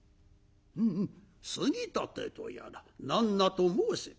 「うんうん杉立とやら何なと申せ」。